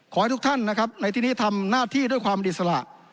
ขอให้ทุกท่านนะครับในที่นี้ทำหน้าที่ด้วยความอิสระ